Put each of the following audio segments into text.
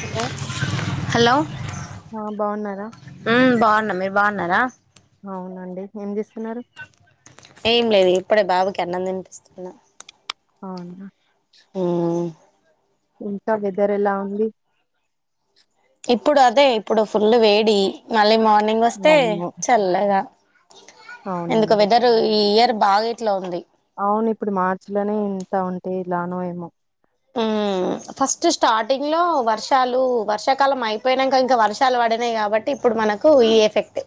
Hello! Hello! ఆ బాగున్నారా? న్నమ్, మీరు బాగున్నారా? అవునండి, ఏం చేస్తున్నారు? ఏం లేదు! ఇప్పుడే బాబుకి అన్నమ్ తినిపిస్తున్నా. అవునా! మ్ ఇంకా, వెదర్ ఎలా ఉంది? ఇప్పుడు అదే, ఇప్పుడు ఫుల్ వేడి, మళ్ళీ మార్నింగ్ వస్తే అవును చల్లగా. ఎందుకొ, అవునండి వెదర్ ఈ ఇయర్ బాగా ఇట్లా ఉంది. అవును, ఇప్పుడు మార్చి లోనే ఇంత ఉంటే, ఎలానో ఏమో. మ్ ఫస్ట్ స్టార్టింగ్ లో, వర్షాలు వర్షాకాలం అయిపోయినాక, ఇంకా వర్షాలు పడి. కాబట్టి ఇప్పుడు, మనకు ఈ ఎఫెక్ట్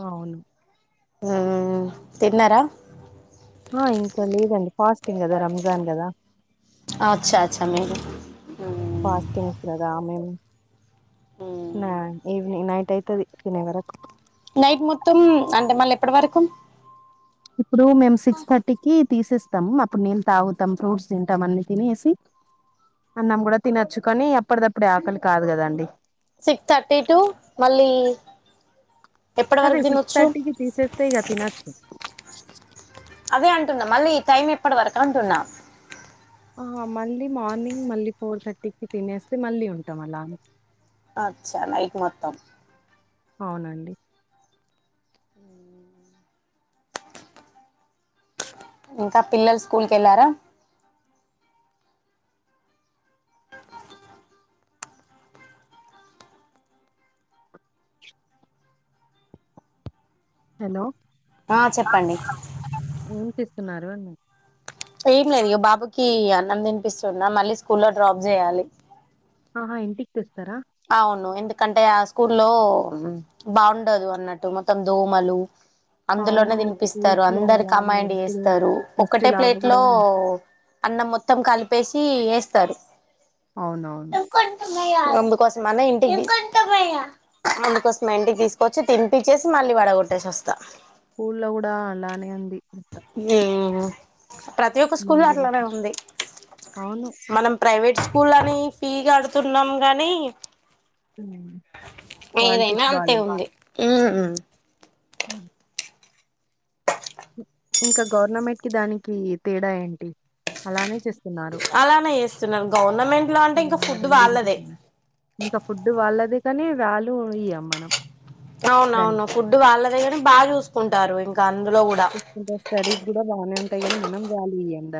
అవును! ఉమ్ తిన్నారా? ఆ ఇంకా లేదండి, ఫాస్టింగ్ గదా, రంజాన్ గదా. అచ్చా అచ్చా మీరు ఫాస్టింగ్స్ గదా మేము. నా ఈవినింగ్ నైట్ అయితది. తినే వరకు నైట్ మొత్తం, అంటే మళ్ళ ఎప్పటి వరకు. ఇప్పుడు, మేము సిక్స్ థర్టీకి. తీసేస్తాం. అప్పుడు నీళ్ళ తాగుతాం, ఫ్రూట్స్ తింటాం. అన్ని తినేసి అన్నం కూడా తినచ్చుకాని, అప్పటిదప్పుడే ఆకలి కాదు కదండి. సిక్స్ థర్టీ టు మళ్ళీ. ఎప్పటి అదే వరకు సిక్స్ తినొచ్చు థర్టీకి తీసేస్తే ఇగా తినొచ్చు. అదే అంటున్నా, మళ్ళీ ఈ టైం ఎప్పటి వరకు అంటున్నాం. ఆ మళ్ళీ మార్నింగ్, మళ్ళీ ఫోర్ థర్టీకిి తినేస్తే, మళ్ళీ ఉంటాం. అలానే అచ్చా నైట్ మొత్తం. అవునండి! ఇంకా, పిల్లలు స్కూల్ కి వెళ్ళారా. హలో ఆ చెప్పఅండి తున్నారు ఏమ్ లేదు ఇగ బాబుకి అన్నం తినిపిస్తుఅన్నా మళ్ళీ స్కూల్లో డ్రాప్ చేయాలి అ ఇంటికి తిస్తారా అవును ఎందుకంటే ఆ స్కూల్లో బావుండదు అన్నఅట్టు మొత్తం దోమలు అందులోనే అవును. తినిపిస్తారు స్కూల్స్‌లో అందరు అలానే కమాయిండ్ ఇప్పుడు చేస్తారు ఫస్ట్ ఒక్కటే లాగా ప్లేట్ గూడా లో అన్నం మొత్తం కలిపేసి వేస్తారు అవును అవును నందుకోసం అని ఇంటికి తీస్ ముందుకోస్తున్నాయండి ఇంటికి తీసుకొచ్చి తినిపచ్చేసి మళ్ళీ వడగొట్టేసి వస్తా స్కూల్లో కూడా అలానే ఉంది మొత్తం. మ్ ప్రతి ఒక్క స్కూల్ అట్లానే ముందులకి ఉంది అవును. మనం ప్రైవేట్ స్కూల్ అని ఫీజ్ కడుతున్నాం గాని హ్మ్. ఏదైనా క్వాలిటీస్ అంతే గ్ మరి ఉ అ ఇంకా గవర్నమెంట్ కి దానికి తేడా ఏంటి అలానే చేస్త్ అలానే చేస్తున్నారు గవర్నమెంట్ లో అంటే హ్మ్. ఇంకా ఆ ఫుడ్ వాళ్ళదే రెండింటికి. ఇంకా ఫుడ్ వాళ్ళదే కానీ వాల్యూ ఇ్యమ్ మనం అవును దానికి. అవును ఫుడ్ వాళ్ళదే గాని బాగా చూసుకు ఉంటారు ఇంకా అందులో కూడా ఇప్పుడు స్టడీస్ కూడా బానే ఉంటాయి కాని మనం వ్యాలీ ఇయ్యమ్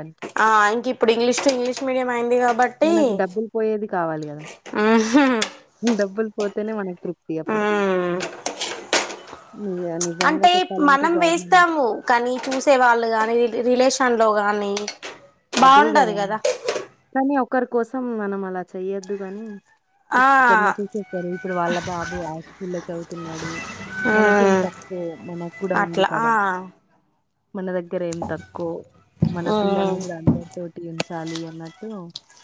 ఆ ఆయన్కి ఇప్పుడు ఇంగ్లీష్ ట్ట్ ఇంగ్లీష్ మీడియం ఆయన్ మనకి డబ్బులు పోయేది కావాలి కదా డబ్బుల్ పోతేనే మనక్ తృప్తి అప్పుడు నిజ నిజంగా అంటే చెప్పాలంటే మనం గవర్నమెంట్ వేస్తాము కానీ చూసే వాళ్ళు కానీ రిలేషన్ తన్ లో కానీ అదే కద కానీ ఒకరి కోసం మనం అలా చెయ్యొద్దు కాని ఆ ఇప్పుడు ఒకరిని చూసేస్తారు ఇప్పుడు వాళ్ళ బాబు ఆస్టల్ లో చదువుతు అన్నాడు మనకే మ్ మ్మ్ తక్కువ మనకు కూడా ఉంది అట్లా కదా ఆ మన దగ్గర ఏం తక్కువు మన మ్మ్ పిల్లల్ని కూడా అందరి తోటి ఉంచాలి అన్న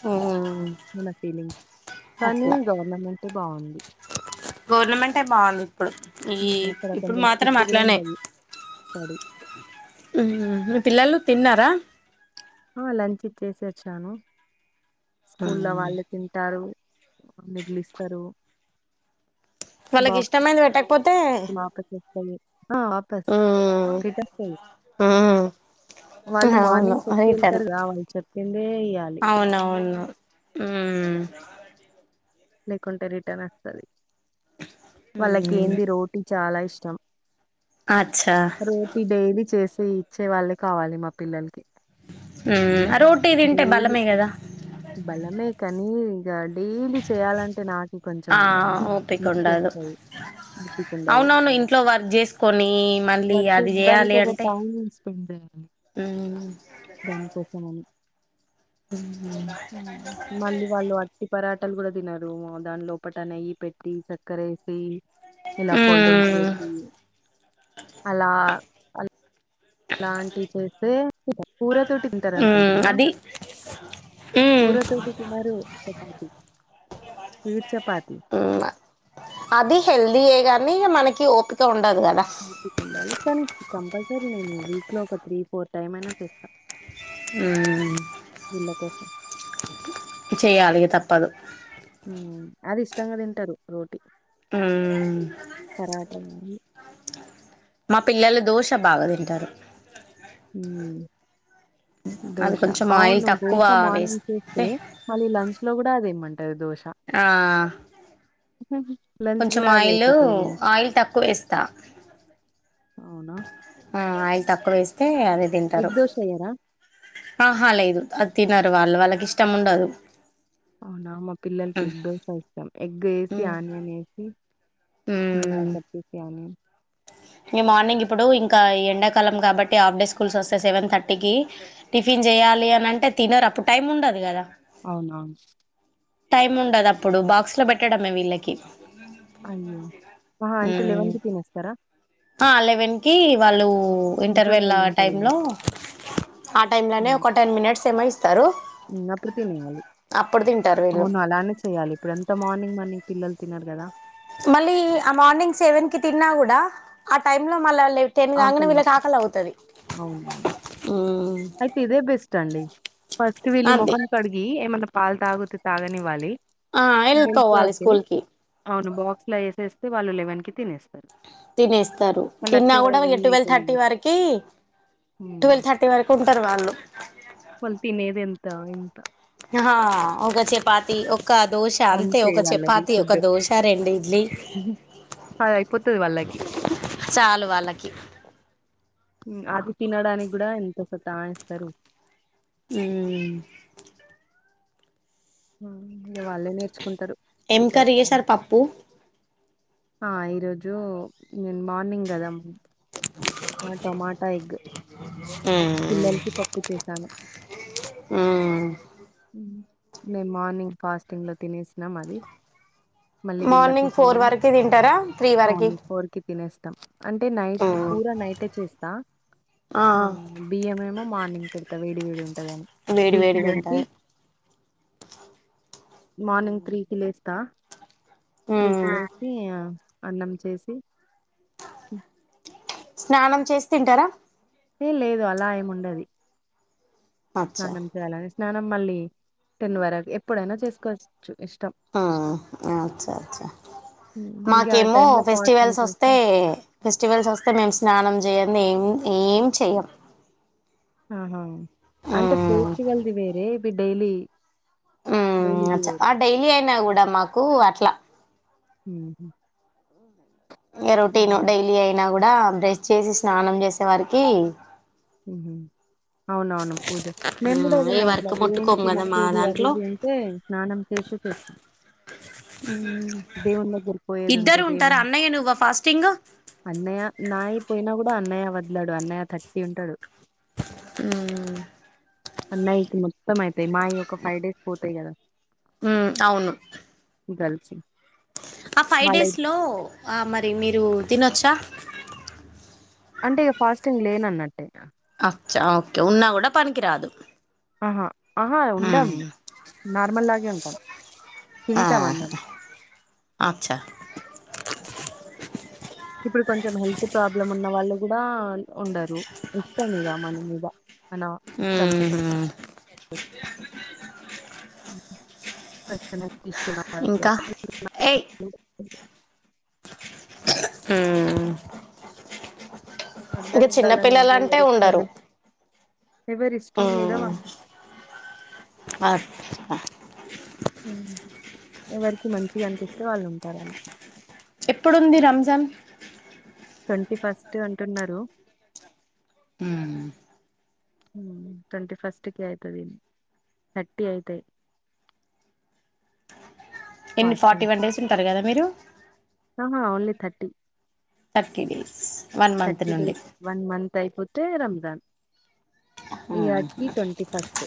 మ్మ్ మన ఫీలింగ్ కానీ గవర్నమెంట్ బావుంది గోర్నమెంటే బావుంది ఇప్పుడు ఈ హ్మ్. అక్కడ ఇప్పుడు మాత్రం అట్లానే తడి మ్ మీ పిల్లలు తిన్నారా ఆ లంచ్ ఇచ్చేసి వచ్చాను స్కూల్ల వాళ్ళు తింటారు మిగిలి ఇస్తారు వాళ్ళకి ఇష్టమైన్ది పెట్టక్ సిమా ఆకర్ టిక్ తాని ఆ ఆపస్ మ్మ్ క్రిటక్ మ్మ్ వాళ్ళు అవును మార్నింగ్ చెప్పి రిటర్న్ వెళ్తారు కదా వాళ్ళు చెప్పిందే ఇయ్యాలి ఉమ్ లేకుంటే రిటర్న్ వస్త అది వాళ్ళకి మ్మ్ ఏంది రోటీ చ్ చాలా ఇష్టం అచ్చా రోటీ డైలీ చేస్ తే ఇచ్చే వాళ్ళే కావాలి మా పిల్లల్ కి హ్మ్ రోటీ తింటే డైలి బలమే కదా బలమే కానీ ఇగ డైలీ చేయాల అంటే నాకి ఆ కొంచెమ్ ఓపిక మిస్ ఉండదు చేస్తాయి తీస్ కుండ అది అవునవును ఇంట్లో వర్క్ చేసుకొని మళ్ళీ వద్దు అది ఉనడాకి ఒక టైమ్ తిసుకు ఉంది దరాని మ్ దాని కోక్కోనై మళ్ళీ వాళ్ళు అట్టి పరాట ట్టలు కూడా తినరు దాని లోపట నెయ్యి పెట్టి చక్కర వేసి ఇలా ఫోల్డింగ్ హ్మ్ చేసి అలా అ లాంటివి చేస్తే కూర తోటి తింటార హ్మ్ అనుకుంటున్నా అది హ్మ్ కూర తోటి తినరు చపాతి స్వీట్ చపా అది హెల్దీయే గాని మనకి ఓపిక ఉం ఓపిక ఉండాలి కానీ కంపల్సరీ నేను వీక్ లో ఒక త్రీ ఫోర్ టైమ్ అయినా చేస్తా వీళ్ళ కోసం. చేయాలి తప్పదు అది ఇష్టంగా తింటారు రోటీ హ్మ్ పరాట గాని పిల్లలు దోష బాగా తింటారు హ్మ్ అది దోశ కొంచెం ఆయిల్ అవును తక్కువ దోస మార్నింగ్ వేస్తే చేస్తే మళ్ళీ లంచ్ లో కూడా అదేయమంటా ఆ లంచ్ కొంచెం గూడా అదే ఆయిలు అయిపోతది. ఆయిల్ తక్కువ వేస్తా అవునా ఆ ఆయిల్ తక్కువ వేస్తే అదే తింటారు ఎగ్ దోశ ఎయ్యరా? ఆ హ లేదు తినరు వాళ్ళు వాళ్ళకి ఇష్టం ఉండదు అవునా మా పిల్లలకి ఎగ్ దోశ ఇస్తాం ఎగ్ వేసి ఆనియన్ వేసి మా కొచ్చేసిఆనియన్ ఇంక మార్నింగ్ ఇప్పుడు ఇంకా ఎండాకాలం కాబట్టి హాఫ్ డే స్కూల్స్ వస్తే సెవెన్ థర్టీకి టిఫిన్ చేయాలి అని అంటే తినరు అప్పుడు టైం ఉండదు కదా అవునా టైమ్ ఉండదు అప్పుడు బాక్స్ లో పెట్టడమే వీళ్ళకి అయ్యో! ఆహా! అంటే తినేస్తారా? ఆ లెవెన్కి వాళ్ళు ఇంటర్వెల్ ఆ ఉంటది గదా! టైంలో ఆ టైంలోనే హ్మ్. ఒక టెన్ మినిట్స్ ఏమో ఇస్త అప్పుడు తింటారు వీళ్ళు అవును అలానే చెయ్యాలి ఇప్పుడు ఎంత మార్నింగ్ మన పిల్లలు తినరు కదా మళ్ళీ ఆ మార్నింగ్ సెవెన్ కి తిన్నా కూడా ఆ టైమ్ లో మళ్ళ టెన్ కాంగనే ఆకలేయ్ వీళ్ళకు ఆకలవుతది అవునవును. అయితే ఇదే బెస్ట్ అండి ఫస్ట్ వీళ్ళు అది ముఖం కడిగి ఏమైనా పాలు తాగితే తాగనివ్వాలి ఆ వెళ్ళిపోవాలి స్కూల్ కి [unintelligible] బాక్స్ లో వేసేస్తే వాళ్ళు లెవెన్ కి తినేస్తారు తినేస్తారు మళ్ళొచ్చే తిన్నా కూడా వరకు మీ ట్వెల్వ్ అయితది థర్టీ గదా! వరకి హ్మ్. ట్వెల్వ్ థర్టీ వరకు ఉంటారు వాళ్ళు వాళ్ళు తినేదెంత ఇంత హా ఒక చపాతి ఒక ఒక దోశ అంతే ఒక వాళ్ళది చపాతి ఒక ఫుడ్ దోశ రెండు ఇడ్లీ అది అయిపోతది వాళ్ళకి చాలు వాళ్ళకి అది తినడానికి కూడా ఎంత సతాయీస్తరు హ్మ్ వాళ్ళే నేర్చు ఏం కర్రీ చేసారు పప్పు ఆ ఈరోజు నేను మార్నింగ్ కదా ఆ టమాటా ఎగ్ పిల్లలకి పప్పు చేశాను మ్మ్ మేము మార్నింగ్ ఫాస్టింగ్ లో తినేసినాం అది మళ్ళీ వీళ్ళ మార్నింగ్ ఫోర్ కోసమని వరకు తింటారా త్రీ వరకి అవును ఫోర్ కి తినేస్తాం అంటే నైట్ మ్మ్ కూర నైటే చేస్తా ఆ బియ్యం ఏమో మార్నింగ్ పెడు తా వేడి వేడిగా వేడి వేడిగా ఉంటది మార్నింగ్ త్రీకిి లేస్తా త్రీ కి ఉమ్ లేసి ఆ అన్నం చేసి స్నానం చేసి తింటారా ఏ లేదు అలా ఏముండది అచ్చా స్నానం చేయాలని స్నానం మళ్ళీ టన్ వరకు ఎప్పుడైనా చేసుకోవచ్చు ఇష్టం. ఆ అచ్చా అచ్చా హ్మ్. ఇంక ఆ మాకేమో టైంలో ఫాస్టింగ్ ఫెస్టివల్స్ వస్తే చేస్తే ఫెస్టివల్స్ వస్తే మేము స్నానం జేయ్యనిది ఏం చేయం ఆహా హ అంటే ఫేస్టి వెల్ది వేరే ఇది డైలీ ఉమ్ డైలీది అచ్చ వేరే. ఆ డైలీ అయినా కూడా మాకు అట్లా హు రొటీన్ డైలీ అయినా కూడా బ్రష్ చేసి స్నానం చేసే వారికి హు అవునవును పూజ మేము కూడా ఉమ్ ఏ ఏదన్నా వర్క్ అట్లా ముట్టుకోము దేనికి కదా మా ముక్కది అది దాంట్లో ఇది ఉంటే స్నానం చే సే తింటాం ఉ దేవుని దగ్గరకి పోయేది ఉంటది అన్నయ్య నువ్వా ఫాస్టింగ్ అన్నయ్య నాయి పోయినా కూడా అన్నయ్య వదులడు అన్నయ్య తర్టీ ఉంటాడు హు అన్నయ్య కి మొత్తం అయితాయి మాయ్ ఒక ఫైవ్ డేస్ పోతాయి కదా ఉ అవును గల్ సి ఆ ఫైవ్ డేస్ లో ఆ మరి మీరు తినొచ్చా అంటే ఇక ఫాస్టింగ్ లేనన్నట్టే అచ్చ ఓకే ఉన్నా కూడా పనికిరాదు ఆహా ఆహా ఉండమ్ నార్మల్ లాగే ఉంటాం ఆహా తింటామన్నీ అచ్చా ఇప్పుడు కొంచెం హెల్త్ ప్రాబ్లం ఉన్న వాళ్ళు కూడా ఉండరు ఇష్టం ఇగ మన మీద మన ఇష్టంతో ఉమ్ కొంచెం ఉన్న వాళ్ళు ఇంకా ఏయ్ హు అందరు ఉండాలని ఏమి లేదు ఇష్టం ఉండరు ఎవరిష్టం మీదా ఉమ్ వాళ్లు హా ఎవరికి మంచిగా అనిపిత్తే వాళ్ళు ఉంటారు అలా ఎప్పుడుంది రంజాన్ ట్వంటీ ఫస్ట్ అంటున్నారు హు ట్వంటీ ఫస్ట్ కి అయితది థర్టీ అయితయి ఎన్ని ఫార్టీ ఫాస్టింగ్ వన్ డేస్ ఉంటారు కదా మీరు ఆహా thirty thirty days thirty days one month అయిపోతే రంజాన్ ఈ ఉమ్ యాటికి ట్వంటీ ఫస్ట్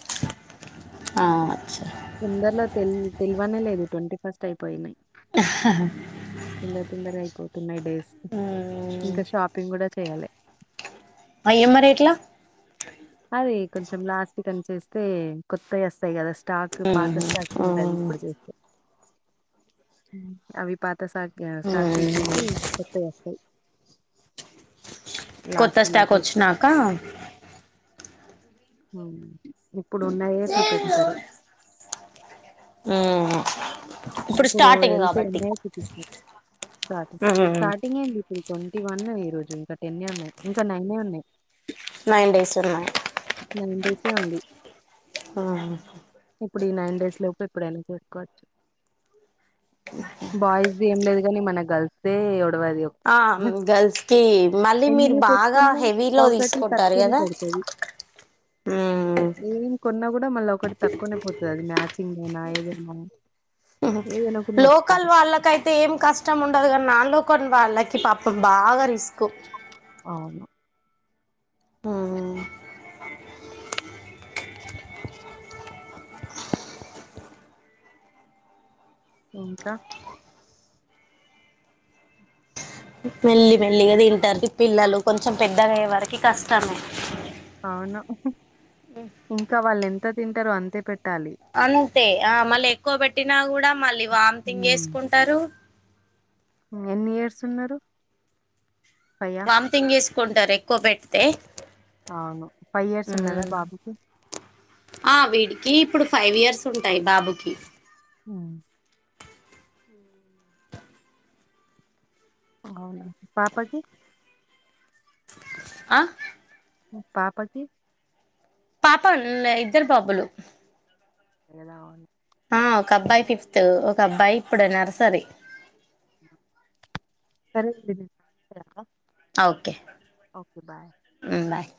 ఆ అచ్చా తొందరలో తెల్ తెలివనే లేదు ట్వంటీ ఫాస్ అయిపోయినయి తొందర తొందర అయిపోతున్నయి డేస్ ఉమ్ ఇంకా షాపింగ్ కూడా చేయలే అయ్యో మరి ఎట్లా అయి కొంచెం లాస్ట్కి అని చేస్తే కొత్తవి వస్త కదా స్టాక్ పాత స్టాక్ ఉహు ఉంటంది ఉమ్ ఇప్పుడు చేత్తే అవి పాత కొత్త సా స్టాక్ ఉమ్ తీసేసి కొత్తవి వస్తాయి కొత్త లాస్ట్ స్టాక్ వచ్చినాక ఇప్పుడున్నయే చూపిత్తరు ఆ ఇప్పుడు వెళ్తే ఉన్నాయే చూపిస్తరు స్టార్టింగ్ ఉమ్ స్టార్టింగ్ ఏందిప్పుడు ట్వంటీ వన్ ఈ రోజు ఇంకా టెన్నే ఉన్నయి ఇంకా నైనే ఉన్నయి నైన్ డేస్ ఉన్నాయి సే ఉంది ఆ ఆ ఇప్పుడు ఈ నైన్ డేస్ లోపు ఎప్పుడైనా చేసుకోవచ్చు బాయ్స్ది ఏం లేదు కాని మన గర్ల్స్దే ఒడవది ఆ గర్ల్స్ కి మళ్ళీ మీరు ఎన్ని బాగా తీసుకున్నా హెవీలో ఒకటి తీసుకుంటారు తక్కువనే కదా పడుతది మ్మ్ ఏం కొన్న కూడా కూడా మళ్ళ ఒకటి తక్కువనే పోతది అది మ్యాచింగ్ ఐనా ఏదైనా ఏదైనా ఒకటి లోకల్ మర్చిపోతాం. వాళ్ళకైతే ఏం కష్టం ఉండదు క నాన్ లోకల్ వాళ్ళకి పాపం బాగా రిస్క్ అవును ఆ ఇంకా మెల్లి మెల్లిగా తింటారు పిల్లలు కొంచెం పెద్దగయ్యే వరకి కష్టమే అవును ఇంకా వాళ్ళు ఎంత తింటారో అంతే పెట్ట అంతే ఆ మళ్ళీ ఎక్కువ పెట్టినా కూడా మళ్ళీ వామ్తింగ్ హ్మ్. చేసుకుంటరు ఎన్ని ఇయర్స్ ఉన్నరు వామితింగ్ చేసుకుంటరు ఎక్కువ పెడితే అవును ఫైవ్ ఇయర్స్ ఉన్నదా బాబుకి ఆ వీడికి ఇప్పుడు ఫైవ్ ఇయర్స్ ఉంటాయి బాబుకి అ అవునా పాపకి ఆ పాపకి పాప ఇద్దరు బాబులు ఎలా ఉ ఆ ఒక అబ్బాయి ఫిఫ్త్ ఒక అబ్బాయి ఇప్పుడు నర్సరీ సరే [inaudible] ఓకే ఓకే బాయ్ ఉమ్ బాయ్